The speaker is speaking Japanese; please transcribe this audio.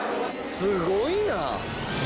すごいな。